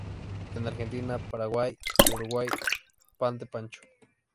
En Argentina, Paraguay, y Uruguay "pan de pancho".